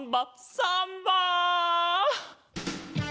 サンバ！